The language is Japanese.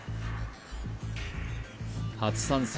初参戦